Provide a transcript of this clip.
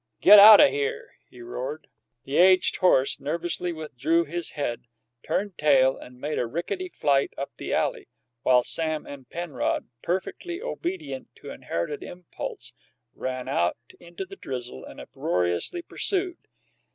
"Get out o' here!" he roared. The aged horse nervously withdrew his head, turned tail, and made a rickety flight up the alley, while Sam and Penrod, perfectly obedient to inherited impulse,[21 1] ran out into the drizzle and uproariously pursued.